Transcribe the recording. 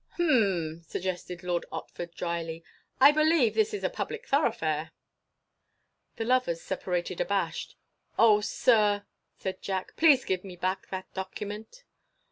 "H'm," suggested Lord Otford, drily, "I believe this is a public thoroughfare!" The lovers separated abashed. "Oh, sir!" said Jack, "please give me back that document."